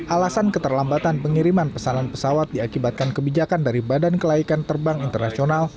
alasan keterlambatan pengiriman pesanan pesawat diakibatkan kebijakan dari badan kelaikan terbang internasional